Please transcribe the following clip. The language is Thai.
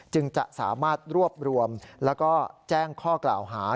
จึงจะสามารถรวบรวมแล้วก็แจ้งข้อกล่าวหา